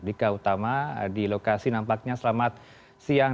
dika utama di lokasi nampaknya selamat siang